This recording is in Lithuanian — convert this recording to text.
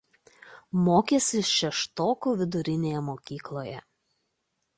Mokėsi Šeštokų vidurinėje mokykloje.